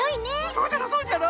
そうじゃろそうじゃろ？